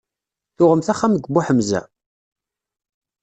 Tuɣemt axxam deg Buḥemza?